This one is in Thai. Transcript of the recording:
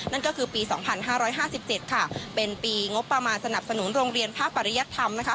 นั่นก็คือปีสองพันห้าร้อยห้าสิบเจ็ดค่ะเป็นปีงบประมาณสนับสนุนโรงเรียนภาพปริยัติธรรมนะคะ